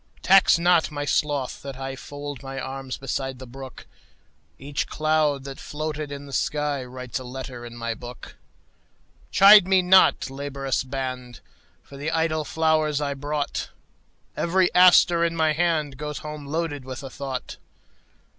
Tax not my sloth that IFold my arms beside the brook; Each cloud that floated in the skyWrites a letter in my book. Chide me not, laborious band, For the idle flowers I brought; Every aster in my handGoes home loaded with a thought.